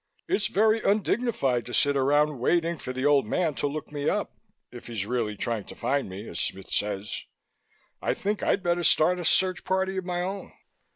"It's very undignified to sit around waiting for the Old Man to look me up, if He's really trying to find me, as Smith says. I think I'd better start a search party of my own.